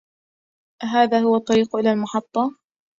أهذا هو الطريق إلى المحطة؟